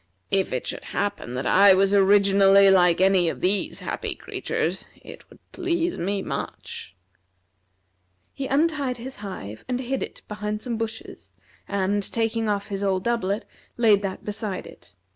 If it should happen that I was originally like any of these happy creatures it would please me much." He untied his hive, and hid it behind some bushes, and taking off his old doublet, laid that beside it.